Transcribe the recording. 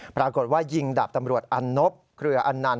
ปรากฏว่ายิงดาบตำรวจอันนบเครืออันนันต